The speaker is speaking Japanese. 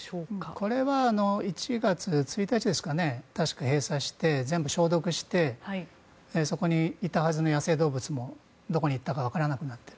これは１月１日ですか確か閉鎖して全部消毒してそこにいたはずの野生動物もどこに行ったかわからなくなっている。